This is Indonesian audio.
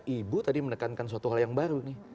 ibu tadi menekankan suatu hal yang baru nih